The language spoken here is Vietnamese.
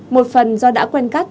một phần do đã quen cắt